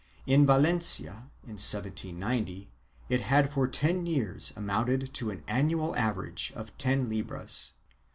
In Valencia, in 1790, it had for ten years amounted to an annual average of ten libras.